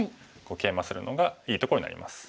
ケイマするのがいいところになります。